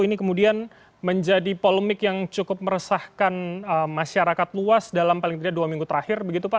ini kemudian menjadi polemik yang cukup meresahkan masyarakat luas dalam paling tidak dua minggu terakhir begitu pak